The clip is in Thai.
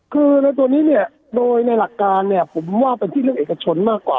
คือในตัวนี้เนี่ยโดยในหลักการเนี่ยผมว่าเป็นที่เรื่องเอกชนมากกว่า